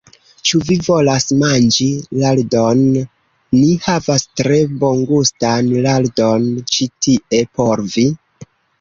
Ĉu vi volas manĝi lardon? Ni havas tre bongustan lardon ĉi tie por vi.